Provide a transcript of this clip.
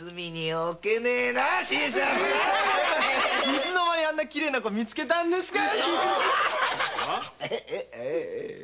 いつあんなきれいな娘見つけたんですか？